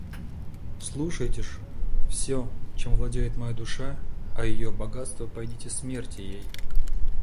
Слушайте ж: все, чем владеет моя душа, – а ее богатства пойдите смерьте ей!